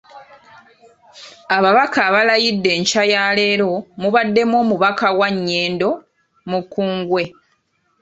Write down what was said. Ababaka abalayidde enkya ya leero mubaddemu Omubaka wa Nnyendo, Mukungwe.